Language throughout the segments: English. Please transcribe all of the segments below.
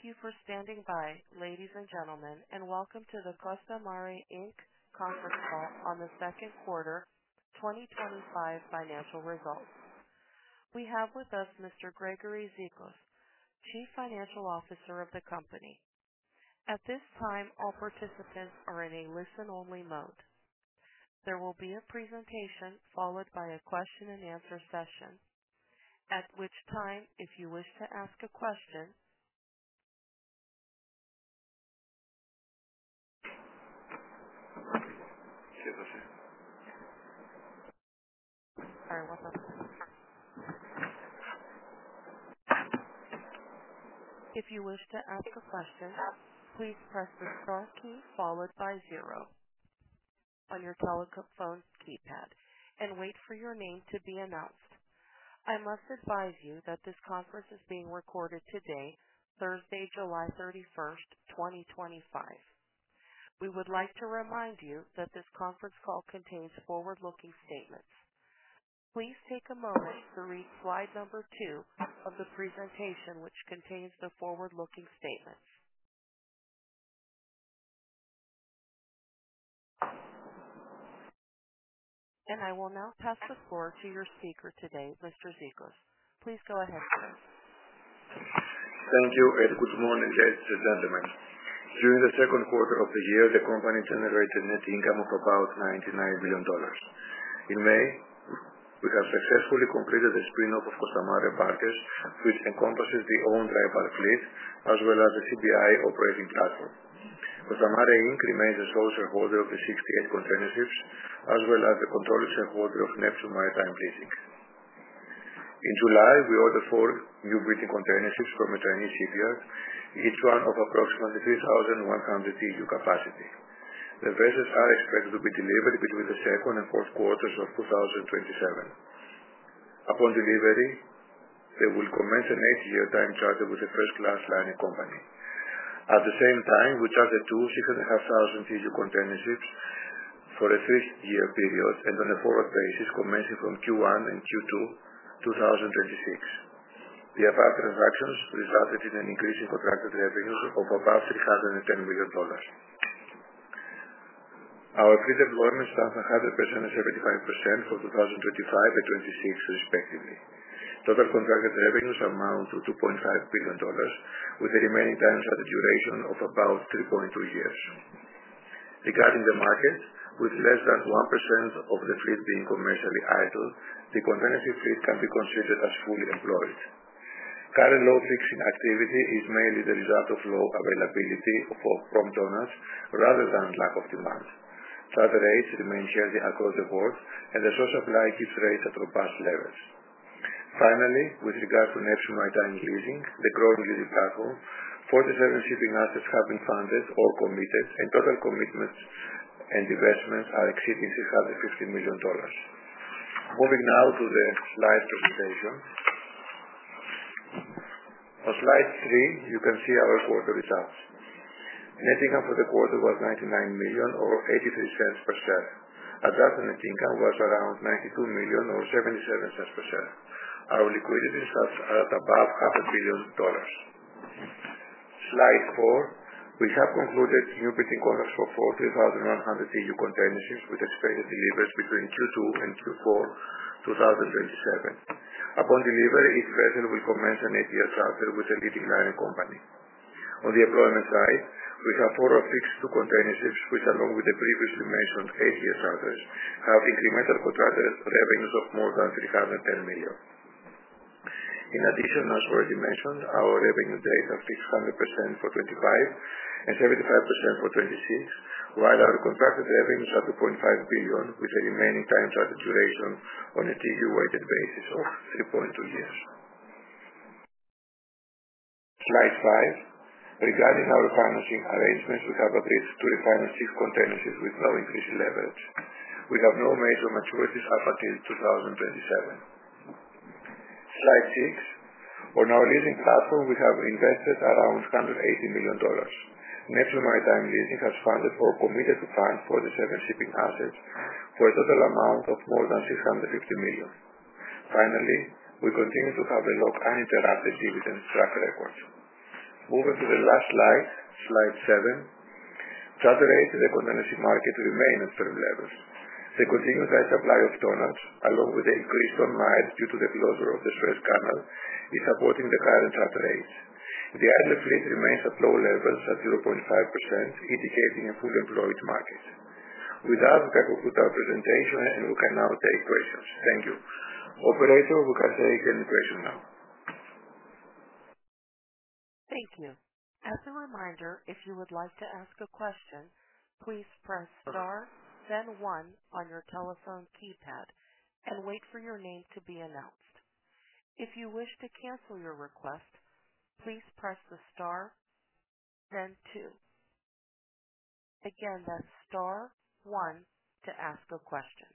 Thank you for standing by, ladies and gentlemen, and welcome to the Costamare Inc. Conference Call on the Second Quarter 2025 Financial Results. We have with us Mr. Gregory Zikos, Chief Financial Officer of the company. At this time, all participants are in a listen-only mode. There will be a presentation followed by a question and answer session. If you wish to ask a question, please press the star key followed by zero on your teleconference keypad and wait for your name to be announced. I must advise you that this conference is being recorded today, Thursday, July 31, 2025. We would like to remind you that this conference call contains forward-looking statements. Please take a moment to read slide number two of the presentation, which contains the forward-looking statements. I will now pass the floor to your speaker today, Mr. Zikos. Please go ahead, sir. Thank you, and good morning, ladies and gentlemen. During the second quarter of the year, the company generated a net income of about $99 million. In May, we have successfully completed the spin-off of Costamare Bulkers, which encompasses the owned dry bulk fleet, as well as the CBI operating platform. Costamare Inc. remains the sole shareholder of the 68 containerships, as well as the controlling shareholder of Neptune Maritime Leasing. In July, we ordered four newbuild containerships from a top-tier shipyard, each one of approximately 3,100 TEU capacity. The vessels are expected to be delivered between the second and fourth quarters of 2027. Upon delivery, they will commence an eight-year time charter with a first large liner company. At the same time, we chartered two 6,500 TEU containerships for a six-year period and on a forward basis, commencing from Q1 and Q2 2026. The above transactions resulted in an increase in contracted revenues of about $310 million. Our pre-deployment stands at 100% and 75% for 2025 and 2026, respectively. Total contracted revenues amount to $2.5 billion, with the remaining terms of the charter duration of about 3.2 years. Regarding the markets, with less than 1% of the fleet being commercially idle, the containership fleet can be considered as fully employed. Current load fixing activity is mainly the result of low availability of prompt owners rather than lack of demand. Charter rates remain healthy across the board, and the scarce supply keeps rates at robust levels. Finally, with regard to Neptune Maritime Leasing, the growing platform, 47 shipping assets have been funded or committed, and total commitments and investments are exceeding $650 million. Moving now to the live presentation. On slide three, you can see our quarter results. Net income for the quarter was $99 million or $0.83 per share. Adjusted net income was around $92 million or $0.77 per share. Our liquidity position is at above half a billion dollars. Slide four, we have concluded newbuild orders for 4,100 TEU containerships with expected deliveries between Q2 and Q4 2027. Upon delivery of each vessel, we commence an eight-year charter with a leading liner company. On the deployment side, we have fixed two containerships, which, along with the previously mentioned eight-year charters, have incremental contracted revenues of more than $310 million. In addition, as already mentioned, our revenue days have increased 100% for 2025 and 75% for 2026, while our contracted revenues are $2.5 billion, with the remaining time charter duration on a TEU-weighted basis of 3.2 years. Slide five. Regarding our financing arrangements, we have agreed to refinance six containerships with no increase in levels. We have no major maturities up until 2027. Slide six. On our leasing platform, we have invested around $180 million. Neptune Maritime Leasing has funded or committed to fund four different shipping assets for a total amount of more than $650 million. Finally, we continue to have a long uninterrupted dividend track record. Moving to the last slide, slide seven. Charter rates in the containership market remain at current levels. The continued high supply of tonnage, along with the increase on miles due to the closure of the Suez Canal, is supporting the current charter rate. The idle fleet remains at low levels at 0.5%, indicating a fully employed market. With that, we conclude our presentation, and we can now take questions. Thank you. Operator, we can take any questions now. Thank you. As a reminder, if you would like to ask a question, please press star, then one on your telephone keypad and wait for your name to be announced. If you wish to cancel your request, please press the star, then two. Again, that's star, one to ask a question.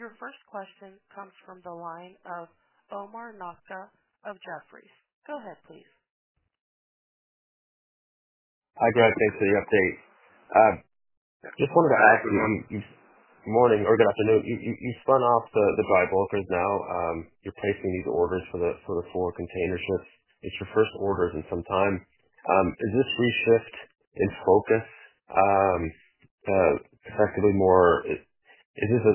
Your first question comes from the line of Omar Nokta of Jefferies LLC. Go ahead, please. Hi, Greg. Thanks for the update. I just wanted to ask you, good morning or good afternoon. You spun off the Costamare Bulkers now. You're placing these orders for the four containerships. It's your first order in some time. Is this a reshift in focus? Correct me if I'm wrong. Is this a,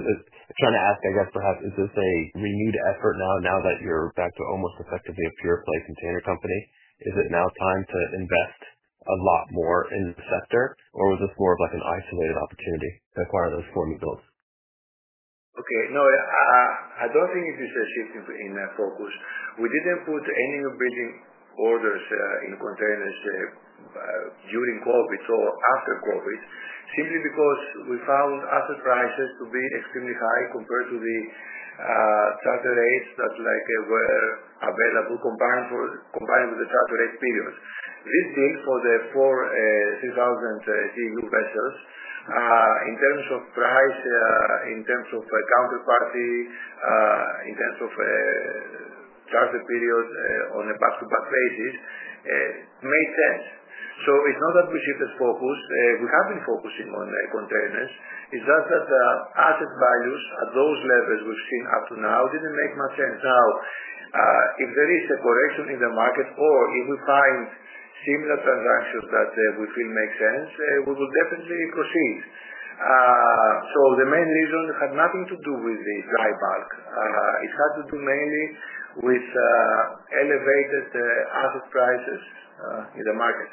I'm trying to ask, I guess, perhaps, is this a renewed effort now, now that you're back to almost effectively a pure play containership company? Is it now time to invest a lot more in the sector, or was this more of like an isolated opportunity to acquire those four new boats? Okay. No, I don't think it is a shift in focus. We didn't put any newbuild orders in containerships during COVID or after COVID, simply because we found asset prices to be extremely high compared to the charter rates that were available, combined with the charter duration. This means for the four 3,000 TEU vessels, in terms of price, in terms of counterparty, in terms of charter period, on a back-to-back basis, it made sense. It's not that we shifted focus. We have been focusing on containerships. It's just that the asset values at those levels we've seen up to now didn't make much sense. If there is a correction in the market or if we find similar transactions that we feel make sense, we will definitely proceed. The main reason had nothing to do with the dry bulk fleet. It had to do mainly with elevated asset prices in the market.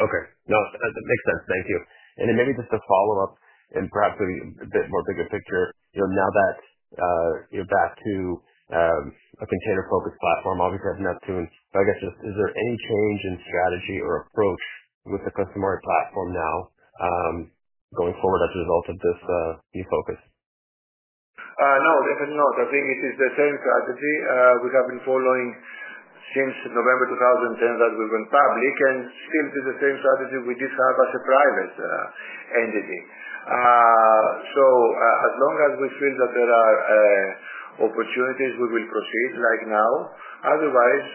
Okay. No, that makes sense. Thank you. Maybe just a follow-up and perhaps a bit more bigger picture. You know, now that you're back to a container-focused platform, obviously Neptune's, but I guess is there any change in strategy or approach with the Costamare platform now, going forward as a result of this new focus? No, definitely not. I think it is the same strategy we have been following since November 2010 that we went public, and still it is the same strategy we describe as a private entity. As long as we feel that there are opportunities, we will proceed right now. Otherwise,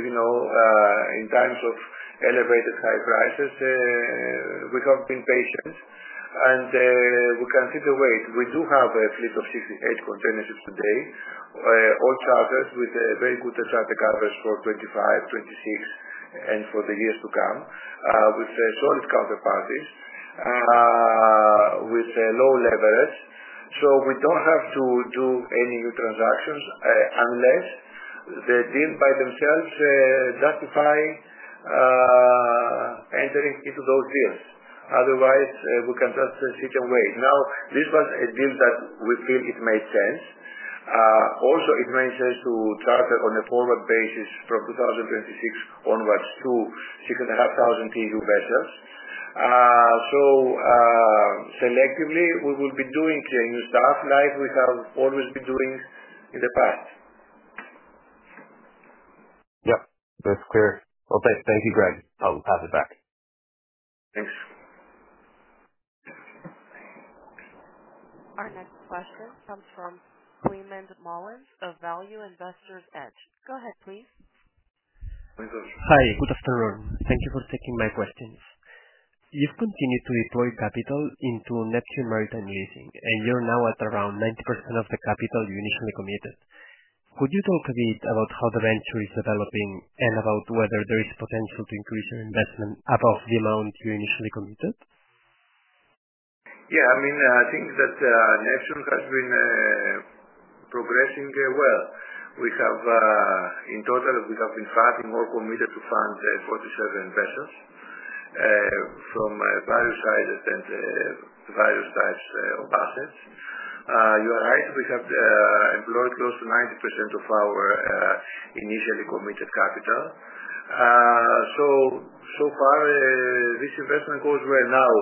in times of elevated high prices, we have been patient and we can see the wait. We do have a fleet of 68 containerships today, all chartered with a very good asset coverage for 2025, 2026, and for the years to come, with a solid counterparty, with low leverage. We don't have to do any new transactions unless the deal by themselves justify entering into those deals. Otherwise, we can just sit and wait. This was a deal that we feel made sense, although it made sense to charter on a forward basis from 2026 onwards to 6,500 TEU vessels. Collectively, we will be doing the new stuff like we have always been doing in the past. That's clear. Thank you, Greg. I'll pass it back. Thanks. Our next question comes Climent Molins of Value Investor's Edge. Go ahead, please. Hi. Good afternoon. Thank you for taking my questions. You've continued to deploy capital into Neptune Maritime Leasing, and you're now at around 90% of the capital you initially committed. Could you talk a bit about how the venture is developing and about whether there is potential to increase your investment above the amount you initially committed? Yeah. I mean, I think that Neptune has been progressing well. We have, in total, been funding or committed to fund 47 vessels, from various sizes and to various types of assets. You are right. We have employed close to 90% of our initially committed capital. So far, this investment goes well. Now,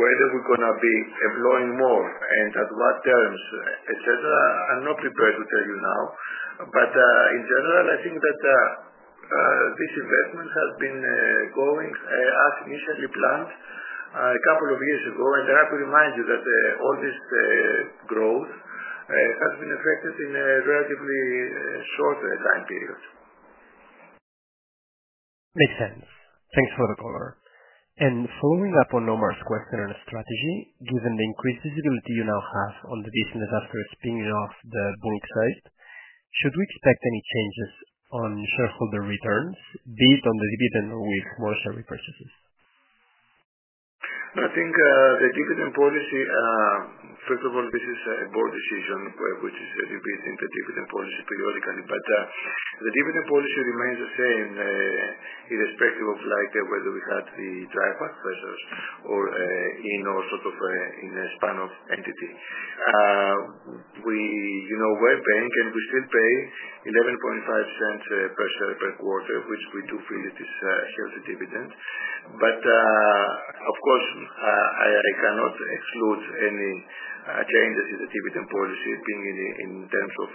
whether we're going to be employing more and at what terms, etc., I'm not prepared to tell you now. In general, I think that this investment has been going as initially planned, a couple of years ago. I have to remind you that all this growth has been affected in a relatively short time period. Makes sense. Thanks for the color. Following up on Omar's question on the strategy, given the increased visibility you now have on the business after spinning off the bulk trust, should we expect any changes on shareholder returns, be it on the dividend or with more share repurchases? I think the dividend policy, first of all, this is a Board decision, which is a bit different than policy periodically. The dividend policy remains the same, irrespective of whether we had the dry bulk vessels or, in all sorts of, in the spun-off entity. We were paying, and we still pay $0.115 per share per quarter, which we do feel is a healthy dividend. Of course, I cannot exclude any changes in the dividend policy being in terms of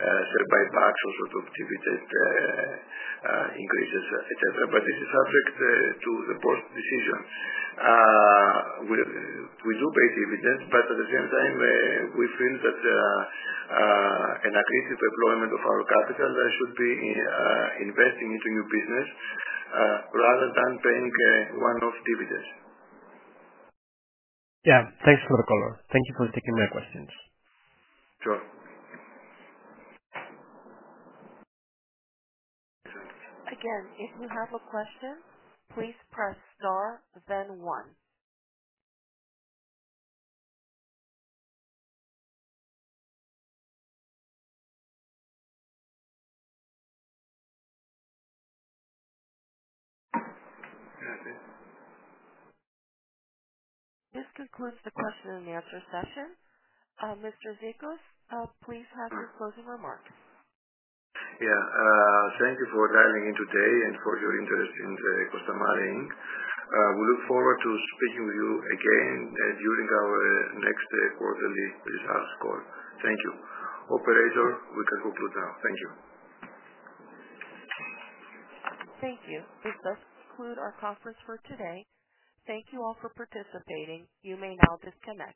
byproducts or sort of dividend increases, etc. This is subject to the Board decision. We do pay dividends, but at the same time, we feel that an aggressive deployment of our capital should be in investing into new business, rather than paying one-off dividends. Yeah, thanks for the call. Thank you for taking my questions. Sure. Again, if you have a question, please press star, then one. This concludes the question and answer session. Mr. Zikos, please have your closing remarks. Yeah, thank you for dialing in today and for your interest in Costamare Inc. We look forward to speaking with you again during our next quarterly sales call. Thank you. Operator, we can conclude now. Thank you. Thank you. This does conclude our conference for today. Thank you all for participating. You may now disconnect.